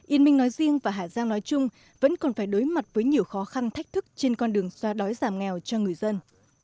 yên minh nói riêng và hà giang nói chung vẫn còn phải đối mặt với nhiều khó khăn thách thức trên con đường xóa đói giảm nghèo cho người dân